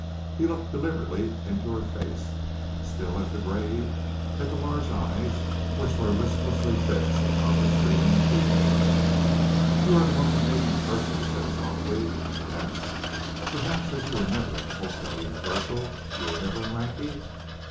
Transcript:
He looked deliberately into her face, still as the grave, at the large eyes, which were listlessly fixed upon the streaming people. "You are the most amazing person!" he said softly. "Perhaps, as you were never at the Hotel Universal, you were never in Rakney?